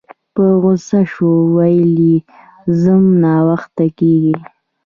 په غوسه شوه ویل یې ځم ناوخته کیږي